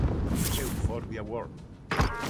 Euphorbia World.